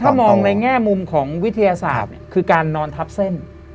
ถ้ามองในแง่มุมของวิทยาศาสตร์คือการนอนทับเส้น